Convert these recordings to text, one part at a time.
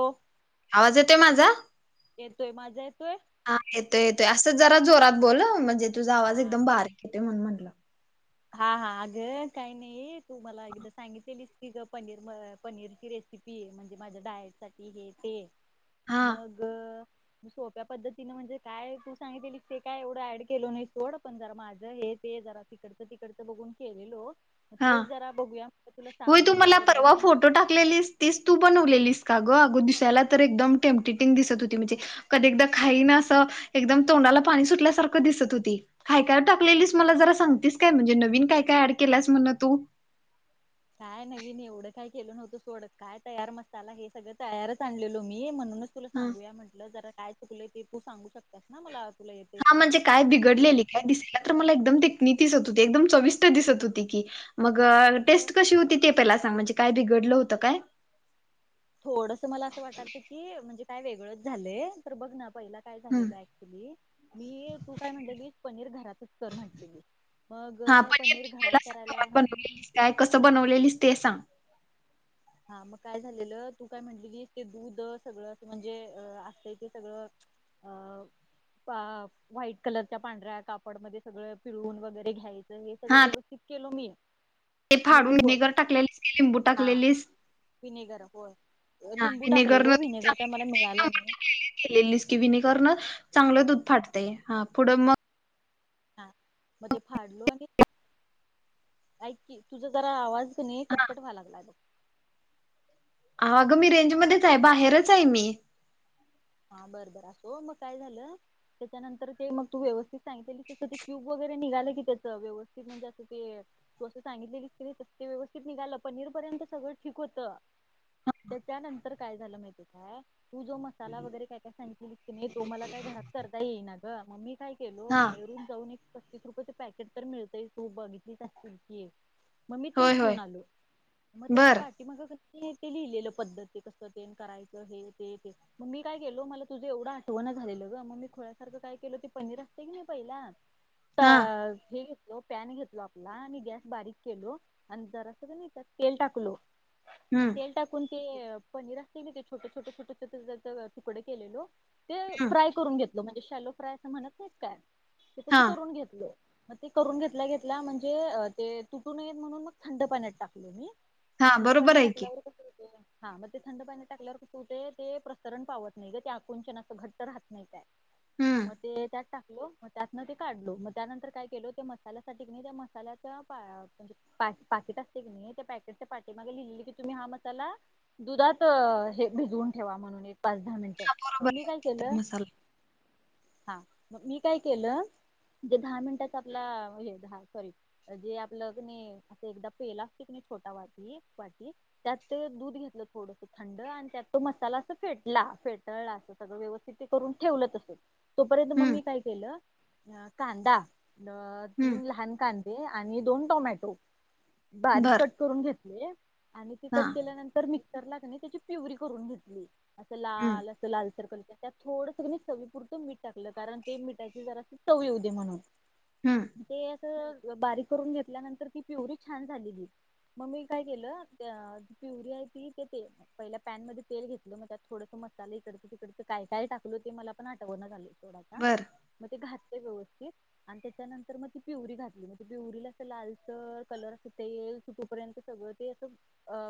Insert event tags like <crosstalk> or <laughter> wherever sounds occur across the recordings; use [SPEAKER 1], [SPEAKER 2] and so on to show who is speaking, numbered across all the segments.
[SPEAKER 1] हो
[SPEAKER 2] आवांज येतेय माझां
[SPEAKER 1] येतोय माझां येतोयं
[SPEAKER 2] हां येतोय येतोय असं जरां जोरांत बोलं म्हणजे तुझां आवांज
[SPEAKER 1] हा.
[SPEAKER 2] एकदंम बारीक येतो म्हणूंन म्हटलं
[SPEAKER 1] हां हां अगं कायं नाहीं तूं मलां एकदाचं सांगितलंस की गं पनीर मं पनीरची रेस किती म्हणजे माझ्यां डायट सांठी हे ते
[SPEAKER 2] हा
[SPEAKER 1] मगं सोप्या पद्धतीनं म्हणजे कायं तूं सांगितली ते कायं एवढं ऍड केलं नाहीं सथोड पणं जरां माझं हे ते जरां तिकडतं तिकडतं बघूंन केलेलो तेचं जरां बघूंया
[SPEAKER 2] होयं तूं मलां पर्वा फोटो टाकलेलीस तेचं तूं बनवलेलीस कां गं अगं दिसांयला तरं एकदंम टेमटिटेंग दिसतं होती म्हणजे कधीं एकदाचं खाई नां असं एकदंम तोंडाला पाणी सुटल्यांसारखं दिसतं होती काय-काय टाकलेलीस, मला जरा सांगतेस काय, म्हणजे नविन काय-काय ऍड केलास, म्हण तू?
[SPEAKER 1] काय नवीन, एवढं काय, केलं नव्हतं सोड, काय तयार मसाला, हे सगळं तयारच आणलेलो मी, म्हणूनच तुला
[SPEAKER 2] हा
[SPEAKER 1] सांगूया म्हटलं, जरा काय चुकलं, ते तू सांगू शक त्यात ना मला, तुला येतय
[SPEAKER 2] हा
[SPEAKER 1] सगळं,
[SPEAKER 2] म्हणजे काय
[SPEAKER 1] तर
[SPEAKER 2] बिघडलेली काय दिसायला तर मला, एकदम देखणी दिसत व्हती, एकदम चविष्ट दिसत होती की, मंग अ
[SPEAKER 1] आता
[SPEAKER 2] टेस्ट कशी होती ते त्याला सांग, म्हणजे काय बिगडल होतं काय
[SPEAKER 1] थोडंसं, मला असं वाटालतं की, म्हणजे काय वेगळंच झालंय, तर बघ ना, पहिला काय
[SPEAKER 2] हम्म.
[SPEAKER 1] झालेलं य. तुम्ही, मी तू काय म्हनलेलीस, पनीर घरातच कर, म्हटलेली. मग, पनीर घरात करायला
[SPEAKER 2] ह <unintelligible> काय कसं, बनवलेलीस, ते सांग.
[SPEAKER 1] हां, मग काय झालेलं, तू काय म्हनलेली की, ते दूध सगळं, म्हणजे असत इ ते सगळं हव प, व्हाईट कलरच्या पांढऱ्या कापडमध्ये, सगळं पिळून वगैरे, घ्याय आणि सगळं
[SPEAKER 2] हा
[SPEAKER 1] व्यवस्थित केलो, मी.
[SPEAKER 2] ते फाडून,
[SPEAKER 1] क्यूब
[SPEAKER 2] विनेगर टाकलेलीस, की लिंबू
[SPEAKER 1] हा
[SPEAKER 2] टाकलेलीस?
[SPEAKER 1] विनेगर होय, अ
[SPEAKER 2] हा
[SPEAKER 1] लिंबू टाकलेलो, विनेगर काही मला मिळाल नाही.
[SPEAKER 2] <unintelligible> लिस्की व्हिनेगरन चांगलं दूध फाटतय, हां, पुढं मग
[SPEAKER 1] हां, म ते फाडलो आणि आईकी, तुझा जरा आवाज क नही, कटकट व्हाय, लागला ब
[SPEAKER 2] आगं, मी रेंज मध्येच ये, बाहेरच ये मी.
[SPEAKER 1] हा, बरं बरं असो, मग काय झालं? त्याच्यानंतर ते, मग तू व्यवस्थित सांगितलेली, तसं ते क्यूब वगैरे, निघाल की त्याच, व्यवस्थित, म्हणजे असं ते तू असं सांगितलेली, की नई तसं, ते व्यवस्थित निघालं, पनीर पर्यंत सगळं ठीक होतं. त, त्यानंतर काय झालं माहिती का? तू जो मस साला वगैर, काय-काय सांगितलेलीस की नई, तो मला काय घरात करता येई ना ग, म मी काय केलो,
[SPEAKER 2] हा
[SPEAKER 1] बाहेरून जाऊन एक पस्तीस रुपयाच पॅकेट, तर मिळतय, तू बघितलीस अशील की म मी ते
[SPEAKER 2] होय होय
[SPEAKER 1] घेऊन आलो, मग त्याच्या
[SPEAKER 2] बर
[SPEAKER 1] पाठ मागं, कसं तें लिहिलेलं, पद्धतती कसं ते करायचं, हे ते ते त म मी काय केलो, मला तुझं एवढं आठवण झालेलं ग, मग मी खुळ्यासारखं काय केलं, त ते पनीर असत की नही, तें पहिला त
[SPEAKER 2] हा
[SPEAKER 1] अ हे. तो पॅन घेतलो, आपला आणि गॅस बारीक केलो, आणि जरा अस क् नही, तेल टाकलो. म
[SPEAKER 2] हम्म
[SPEAKER 1] तेल टाकून, ते पनीर असते नहीं क, ते छोटे-छोटे, छोटे-छोटे त, तुकडे केलेलो, ते
[SPEAKER 2] ह्म.
[SPEAKER 1] फ्राय करून घेतल, म्हणजे शॅलो फ्राय असं म्हणत नही काय, ते
[SPEAKER 2] हा
[SPEAKER 1] तसं करून घेतल. म ते करून घेतल्या-घेतल्या, म्हणजे ते तुटू नयेत, म्हणून म थंड पाण्यात टाकलं, मी. म
[SPEAKER 2] हा
[SPEAKER 1] थंड
[SPEAKER 2] बरोबर
[SPEAKER 1] पान्यात
[SPEAKER 2] आहे की
[SPEAKER 1] टाकल्यावर, कस होतय, हां म ते थंड पान्यात टाकल्यावर, कस होतय, ते ते प्र सरण पावत नही ग, ते आकुंचन असं घट्ट राहत नही त्यात,
[SPEAKER 2] हम्म
[SPEAKER 1] म ते त्या टाकलो, म त्यातनं ते काढलो, म त्यानंतर काय केलो, त्या मसाल्यासाठी नहीं, त्या मसाल्याचा <unintelligible> म्हणजे पाक-पाकेट असते की नहीं, त्या पाकेटचे पाटी मागं लिहिलेली, की तुम्ही हा मसाला दुधात अ, हे भिजवून ठेवा, म्हणून एक पाच दहा मिनिटं, म
[SPEAKER 2] बरोबर
[SPEAKER 1] मी
[SPEAKER 2] आहे
[SPEAKER 1] काय
[SPEAKER 2] होता
[SPEAKER 1] केलं,
[SPEAKER 2] मसाला
[SPEAKER 1] हां, म मी काय केलं जे दहा मिनिटाच आपला, य दहा, सॉरी जे आपलं क नहीं अस एकदा पेला असतं, की नही, छोटा वाटी, वाटी त्यात ते दूध घेतल थोडस थंड आणि त्यात तो मसाला अस फेटला फेटाळला अस सगळ व्यवस्थित ते करून ठेवल तसच. तोपर्यंत मग
[SPEAKER 2] हम्म
[SPEAKER 1] मी काही केल कांदा
[SPEAKER 2] हम्म
[SPEAKER 1] तीन लहान कांद आणि दोन टोमॅटो बारीक
[SPEAKER 2] बर
[SPEAKER 1] कट करून घेतले. आणि ती
[SPEAKER 2] हा
[SPEAKER 1] कट केल्यानंतर मिक्सरला कीनाय त्याची प्युरी करून घेतली. अस
[SPEAKER 2] हम्म
[SPEAKER 1] लाल अस लालसर कलर त्यात थोडस कीनाय चवीपुरत मीठ टाकल, कारण ते मिठाचे जरा चवी येऊ दे म्हणून.
[SPEAKER 2] हम्म
[SPEAKER 1] ते अस बारीक करून घेतल्यानंतर ती प्युरी छान झालेली. मग मी काय केल प्युरी आहे ती ते पहिल्या पॅन मध्ये तेल घेतल मग त्यात थोडस मसाले इकडच तिकडच काय काय टाकल ते मला पण आठवणा झालय सोड आता.
[SPEAKER 2] बर
[SPEAKER 1] मग ते घातले व्यवस्थित. आणि त्याच्यानंतर मग ती प्युरी घातली म्हणजे प्युरी असं लालच कलर अस तेल सुटपर्यंत सगळ ते अस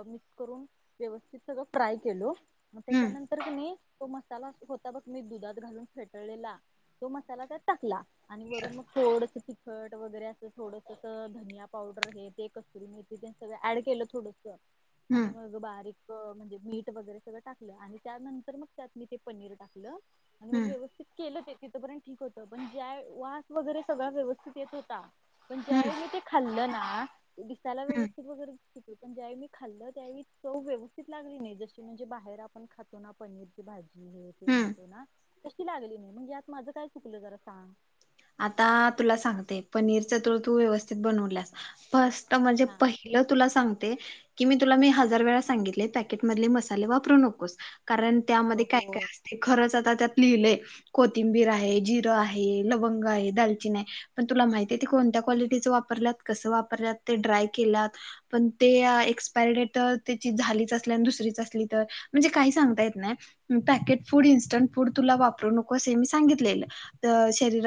[SPEAKER 1] मिक्स करून व्यवस्थित सगळ फ्राय केलो. मग
[SPEAKER 2] हम्म
[SPEAKER 1] त्याच्यानंतर की नाही तो मसाला होता बघ मी दुधात घालून फेटळलेला तो मसाला त्यात टाकला. आणि वरून मग थोडस ति खट वगैरे अस थोडस धनिया पावडर हे ते कस्तुरी मेथी सगळ ऍड केल थोडस.
[SPEAKER 2] हम्म
[SPEAKER 1] आणि मग बारीक म्हणजे मीठ वगैरे सगळ टाकल आणि त्यानंतर मग त्यात मी ते पनीर टाकल आणि मग
[SPEAKER 2] हम्म
[SPEAKER 1] व्यवस्थित केल ते तिथपर्यंत ठीक होत. पण ज्या वास वगैरे सगळा व्यवस्थित येत होता. पण
[SPEAKER 2] हम्म
[SPEAKER 1] ज्यावेळी मी ते खाल्ल ना, दिसायला
[SPEAKER 2] हम्म
[SPEAKER 1] व्यवस्थित वगैर <unintelligible> पण ज्यावेळी मी खाल्लं त्यावेळी चव व्यवस्थित लागली नाही. जशी म्हणजे बाहेर आपण खातो ना पनीर भाजी हे ते
[SPEAKER 2] हम्म
[SPEAKER 1] म्हणतो ना तशी लागली नाही. म्हणजे यात माझ काय चुकल जरा सांग?
[SPEAKER 2] आता तुला सांगते पनीर च तूळ तू व्यवस्थित बनवल्यास फस्ट म्हणजे
[SPEAKER 1] हा
[SPEAKER 2] पहि तुला सांगते की मी तुला मी हजार वेळा सांगितले पॅकेट मधले मसाले वापरू नकोस. कारण त्यामध्ये
[SPEAKER 1] अगं
[SPEAKER 2] काय
[SPEAKER 1] होय
[SPEAKER 2] काय अस खरच आता त्यात लिहिलय कोथिंबीर आहे, जिर आहे, लवंग आहे, दालचिन आहे. पण तुला माहिती आहे ती कोणत्या क्वालिटीच वापरल्यात कस वापरल्यात ते ड्राय केल्यात. पण ते एक्सपायरी डेट त्याची झालीच असली आणि दुसरीच असली तर. म्हणजे काही सांगता येत नाही. पॅकेट फूड इन्स्टंट फूड तुला वापरू नको अस मी सांगितले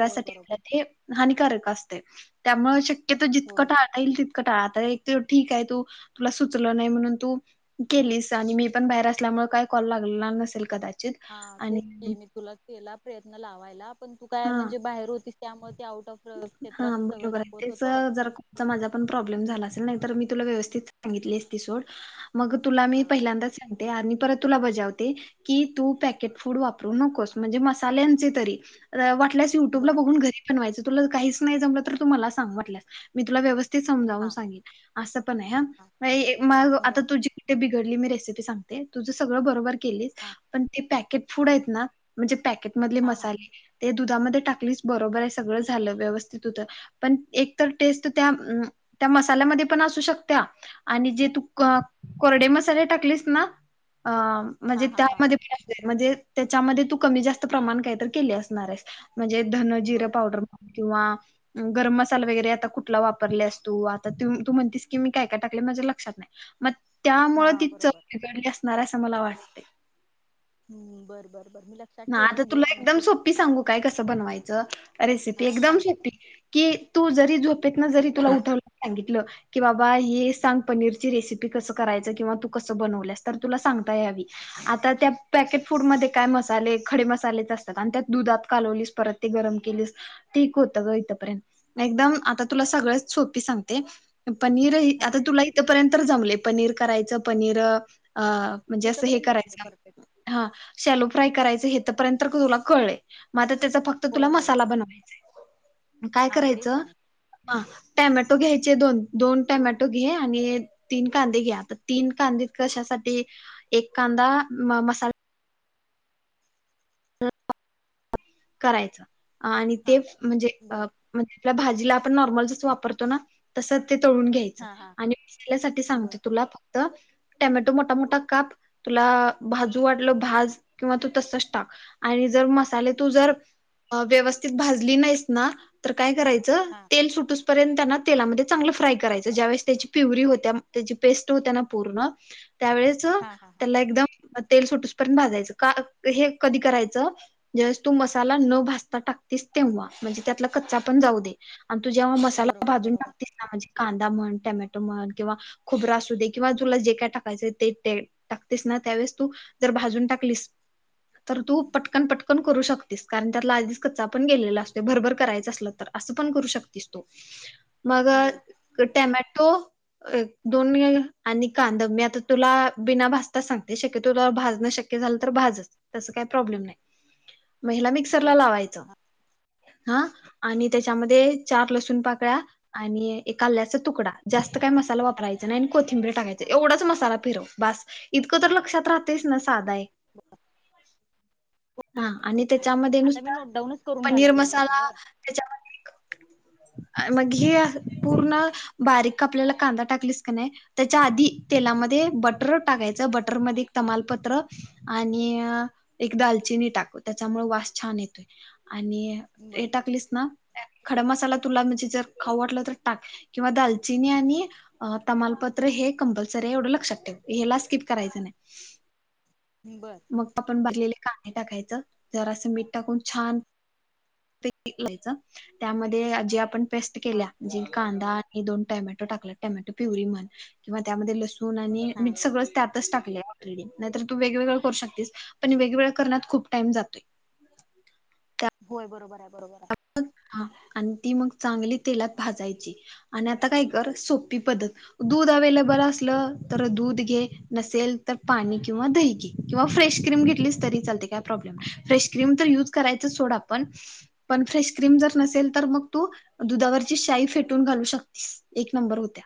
[SPEAKER 1] होय बरोबर
[SPEAKER 2] हे हानिकारक असते त्यामुळे शक्यत जितक
[SPEAKER 1] होय
[SPEAKER 2] टाळता होईल तितक टाळा आता एक ठीक आहे तू तुला सुचल नाही म्हणून तू केलीस आणि मी पण बाहेर असल्यामुळे काय कॉल लागला नसेल कदाचित.
[SPEAKER 1] हा
[SPEAKER 2] आणि
[SPEAKER 1] तेच की मी तुला केला. प्रयत्न लावायला पण तू काय
[SPEAKER 2] हा
[SPEAKER 1] म्हणजे बाहेर होतीस त्यामुळे ते आउट ऑफ
[SPEAKER 2] हा
[SPEAKER 1] क्षेत्र अस सगळ
[SPEAKER 2] बरोबर आहे
[SPEAKER 1] दाखवत
[SPEAKER 2] तेच
[SPEAKER 1] होत.
[SPEAKER 2] जरा कोणचा माझा पण प्रॉब्लेम झाला असेल नाही तर मी तुला व्यवस्थित सांगितली असती सोड. मग तुला मी
[SPEAKER 1] हा
[SPEAKER 2] पहिल्यांदाच आणि परत तुला बजावते की तू पॅकेट फूड वापरू नकोस म्हणजे मसाल्यांचे तरी. वाटल्यास युट्यूबला
[SPEAKER 1] बर
[SPEAKER 2] बघून घरी बनवायच तुला काहीच नाही जमल तर तूला मला सांग वाटस मी तुला व्यवस्थित. समजाून
[SPEAKER 1] हा
[SPEAKER 2] सांगल अस पण आहे ह
[SPEAKER 1] हा
[SPEAKER 2] मग आता
[SPEAKER 1] बर
[SPEAKER 2] तुझी ते बिघडली मी रेसिपी सांगते तुझ सगळ बरोबर केली
[SPEAKER 1] हा
[SPEAKER 2] पण ते पॅकेट फूड
[SPEAKER 1] हा
[SPEAKER 2] आहेत ना म्हणजे पॅकेट मधले
[SPEAKER 1] हा हा
[SPEAKER 2] मसाले ते दुधामध्ये टाकलीच बरोबर आहे सगळ झाल व्यवस्थित होत. पण, एकतर टेस्ट अ त्या मसाल्या मध्ये पण शकत्या. आणि जे तु
[SPEAKER 1] हा
[SPEAKER 2] को कोरडे मसाले टाकलीस ना, अ म्हणजे
[SPEAKER 1] हा हा हा
[SPEAKER 2] त्यामध्ये पण असेल. म्हणजे त्याच्यामध्ये तू कमी जास्त प्रमाण काहीतरी केले असणार आहे. म्हणजे धन, जिर
[SPEAKER 1] बर
[SPEAKER 2] पावडर किंवा गरम मसाला वगैरे आता कुठला वापरल्यास तु. आता तू तू म्हणतीस की मी काय काय टाकले माझे लक्षात नाही. मग,
[SPEAKER 1] हा
[SPEAKER 2] त्यामुळे ती चव
[SPEAKER 1] बरोबर
[SPEAKER 2] बिघडली असणार अस मला वाटतय.
[SPEAKER 1] हम्म, बर बर बर मी लक्षात
[SPEAKER 2] हा, आता
[SPEAKER 1] ठेवेन घे
[SPEAKER 2] तुला
[SPEAKER 1] आणि
[SPEAKER 2] एकदम
[SPEAKER 1] तू तसं
[SPEAKER 2] सोपी
[SPEAKER 1] सांग
[SPEAKER 2] सांगू की काय कस बनवायच‌, रेसिपी
[SPEAKER 1] हा
[SPEAKER 2] एकदम
[SPEAKER 1] सांग
[SPEAKER 2] सोपी की तू जरी झोप तिथन जरी तुला उठवल सांगित ल, की बा हे सांग पनीरची रेसिपी कस करायच. किंवा तू कस बनवलस तर तुला सांगता यावी आता, त्या पॅकेट फूडमध्ये काय मस मसाले, खडे मसालेच असतात. आणि त्यात दुधात कालवलीस परत ते गरम केलीस ठीक होत ग इथपर्यंत. एकदम आता तुला सगळच सोपी सांगते. पनीर
[SPEAKER 1] हा
[SPEAKER 2] आता तुला इथपर्यंत जमले. पनीर करायच. पनीर अ
[SPEAKER 1] होय होय
[SPEAKER 2] म्हणजे अस हे
[SPEAKER 1] तिथपर्यंत
[SPEAKER 2] करायच.
[SPEAKER 1] जमले परफेक्ट
[SPEAKER 2] हा शॅलो फ्राय करायच इथपर्यंत तर तुला कळलय. मग आता त्याच फक्त तर
[SPEAKER 1] होय
[SPEAKER 2] तुला
[SPEAKER 1] होय
[SPEAKER 2] मसाला
[SPEAKER 1] होय
[SPEAKER 2] बनवायचा आहे. काय
[SPEAKER 1] हा
[SPEAKER 2] करायच
[SPEAKER 1] तेच सांग
[SPEAKER 2] हा, टॅमॅटो घ्यायचे दोन. दोन टॅमॅटो घे आणि तीन कांदे घे आता. तीन कांदे कशासाठी, एक कांदा म मसाला करायच आणि ते
[SPEAKER 1] हा
[SPEAKER 2] म्हणजे
[SPEAKER 1] बर
[SPEAKER 2] म्हणजे आपल्या भाजीला आपण नॉर्मलचच वापरतो ना, तस ते तळुन घ्यायच.
[SPEAKER 1] हा हा
[SPEAKER 2] आणि मसाल्यासाठी
[SPEAKER 1] बर
[SPEAKER 2] सांगते तुला. टेमॅटो मोठा मोठा काप. तुला भाजू वाटल भाज. किंवा तू तसच टाक. आणि जर मसाले तू जर
[SPEAKER 1] बर
[SPEAKER 2] व्यवस्थित भाजली नाहीस ना, तर काय करायच
[SPEAKER 1] हा
[SPEAKER 2] तेल सुटूस पर्यंत ना तेलामध्ये चांगल फ्राय करायच. ज्यावेेळेस त्याची प्युरी होत्या, त्याची पेस्ट होत्या ना पूर्ण त्यावेळेस
[SPEAKER 1] हा हा हा
[SPEAKER 2] त्याला एकदम तेल सुटूसपर्यंत भाजायच. का हे कधी करायच, ज्या वेळेस तू मसाला न भासता टाकतेस तेव्हा. म्हणजे त्यात ला, कच्चा पणा
[SPEAKER 1] हा
[SPEAKER 2] जाऊ दे.
[SPEAKER 1] हा
[SPEAKER 2] आणि तू जेव्हा मसाला
[SPEAKER 1] बरोबर
[SPEAKER 2] भाजुन
[SPEAKER 1] बरोबर
[SPEAKER 2] टाकते ना, म्हणजे कांदा म्हण, टोमॅटो म्हण, किंवा खोबर असू दे. किंवा तुला जे काय टाकायच ते टाकतेस ना त्यावेळेस तू जर भाजून टाकलीस, तर तू पटकन पटकन पण करू शकतेस. कारण त्यातला आधीच कच्चा पण गेलेला असतो. भरभर करायच असल तर अस पण करू शकतेस तु.
[SPEAKER 1] <inaudible>
[SPEAKER 2] मग टेमॅटो एक दोन्ही आणि कांद. मी आता तुला बिना भासता सांगते शक्य तुला भाजण शक शक्य झाल तर भाज. तस काही प्रॉब्लेम नाही. म ह्याला
[SPEAKER 1] बर
[SPEAKER 2] मिक्सरला लावायच.
[SPEAKER 1] हा
[SPEAKER 2] हा, आणि त्याच्यामध्ये चार लसूण पाकळ्या आणि एक आल्याचा तुकडा. जास्त काय मसाला वापरायचा आणि कोथिंबीर टाकायची. एवढाच मसाला फिरव. बास इतक तर लक्षात राहतेस ना साधा आहे. हा, आणि
[SPEAKER 1] होय होय
[SPEAKER 2] त्याच्यामध्ये
[SPEAKER 1] आता मी
[SPEAKER 2] नुसता
[SPEAKER 1] नोट डाऊनच करून घ्यायला
[SPEAKER 2] पनीर
[SPEAKER 1] लागलोय ग
[SPEAKER 2] मसाला
[SPEAKER 1] सगळं.
[SPEAKER 2] त्याच्या मध्ये एक, मग हे पूर्ण बारीक आपल्याला कांदा टाकलीस का नाही, त्याच्या आधी तेलामध्ये बटर टाकायच. बटर मध्ये तमालपत्र आणि एक दालचिनी टाकू त्याच्यामुळे वास छान येतोय आणि हे
[SPEAKER 1] बर
[SPEAKER 2] टाकलीस ना खडा मसाला तुला म्हणजे जर खाऊ वाटलं तर टाक किंवा दालचिनी आणि अं तमालपत्र हे कंपल्सरी हे एवढं लक्षात ठेव ह्याला स्किप करायचं नाही.
[SPEAKER 1] हम्म बरं
[SPEAKER 2] मग आपण भाजलेले कांदे टाकायचं जरा असं मीठ टाकून छान <inaudible> त्यामध्ये जे आपण पेस्ट
[SPEAKER 1] हा
[SPEAKER 2] केल्या जे कादां आणि दोन टेमाटो टाकलय टेमाटो प्युरी म्हण किंवा त्यामधे लसु तूना आणि मी
[SPEAKER 1] हा
[SPEAKER 2] सगळं त्यातच टाकलय ऑलरेडी नाही तर तू वेगवेगळं करू शकतीस पण वेगवेगळ करण्यात खूप टाईम जातोय.
[SPEAKER 1] होय बरोबर हाय बरोबर आहे
[SPEAKER 2] हा आणि ती मग चांगली तेलात भाजायची आणि आता काय कर सोप ती
[SPEAKER 1] हा
[SPEAKER 2] पद्धत दुध अवेलेबल असलं तर दूध घे नसेल तर पाणी किंवा दही घे किंवा फ्रेश क्रीम घेतलीस तरी चालतयं काय प्रॉब्लेम नाय फ्रेश क्रीम तर युज करायचं सोड आपण पण फ्रेश क्रीम जर नसेल तर मग तू दुधावरची शाई फेटून घालू शकतीस एक नंबर होत्या.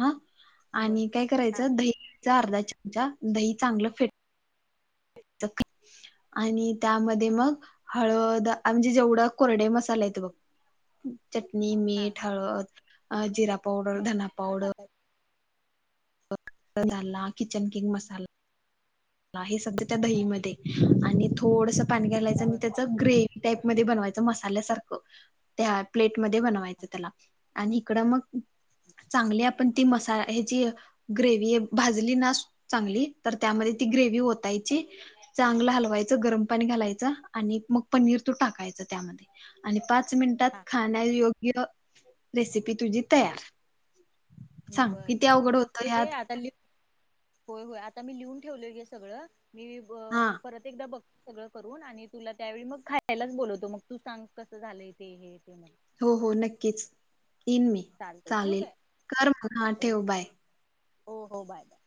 [SPEAKER 2] हा आणि काय
[SPEAKER 1] हा
[SPEAKER 2] करायचं दहीचा अर्धा चमचा दही चांगलं फेट <unintelligible> आणि त्यामध्ये
[SPEAKER 1] हा
[SPEAKER 2] मग हळद अं म्हणजे जेवढं कोरडे मसाले येत बघ चटणी,
[SPEAKER 1] हा
[SPEAKER 2] मीठ, हळद, अ जिरा पावडर,
[SPEAKER 1] बाकी
[SPEAKER 2] धना
[SPEAKER 1] सगळं
[SPEAKER 2] पावडर,
[SPEAKER 1] टाकायचं
[SPEAKER 2] झाला किचन किंग मसाला हे सध्या त्या दही मध्ये आणि थोडस पाणी घालायचं आणि
[SPEAKER 1] बर
[SPEAKER 2] त्याच्या त ग्रेवी टाईप मध्ये बनवायचं मसाल्यासारखं त्या प्लेट मध्ये
[SPEAKER 1] हा
[SPEAKER 2] बनवायचं त्याला आणि इकडं मग चांगल्या पण ती मसा ह्यची ग्रेवी भाजली ना चांगली तर त्यामध्ये ती ग्रेवी ओतायची. चांगलं हलवायचं, गरम पाणी घालायचं आणि मग पनीर तू टाकायचं त्यामध्ये आणि पाच मिनिटात
[SPEAKER 1] हा हा
[SPEAKER 2] खाण्या योग्य रेसिपी तुझी तयार सांग
[SPEAKER 1] बर
[SPEAKER 2] किती
[SPEAKER 1] बर मी
[SPEAKER 2] अवघड
[SPEAKER 1] बघतो
[SPEAKER 2] होतं
[SPEAKER 1] गे
[SPEAKER 2] ह्यात
[SPEAKER 1] आता लिह होय होय आता मी लिहून ठेवलोय गे सगळं मी
[SPEAKER 2] हा
[SPEAKER 1] परत एकदा बघ सगळं करून आणि तुला त्यावेळी मग खायलाच बोलवतो मग तू सांग कसं झालंय ते हे ते मला
[SPEAKER 2] हो हो नक्कीच येईन मी
[SPEAKER 1] चालतंय ठेवू
[SPEAKER 2] चालेल
[SPEAKER 1] काय?
[SPEAKER 2] कर मग हा ठेव
[SPEAKER 1] ओके
[SPEAKER 2] बाय
[SPEAKER 1] हो हो बाय बाय